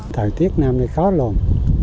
thời tiết năm này khó luôn